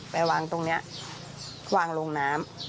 ไปวางตรงนี้วางลงน้ำ